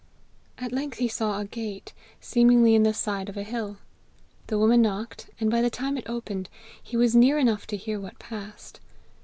At length he saw a gate, seemingly in the side of a hill. The woman knocked, and by the time it opened, he was near enough to hear what passed.